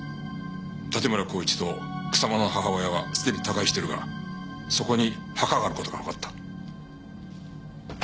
盾村孝一と草間の母親はすでに他界してるがそこに墓がある事がわかった。